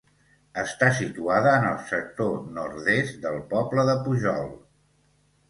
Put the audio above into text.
Està situada en el sector nord-est del poble de Pujol.